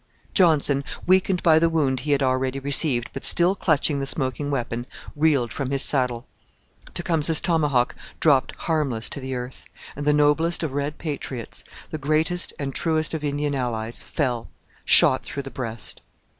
Johnson, weakened by the wound he had already received, but still clutching the smoking weapon, reeled from his saddle. Tecumseh's tomahawk dropped harmless to the earth, and the noblest of red patriots, the greatest and truest of Indian allies, fell shot through the breast.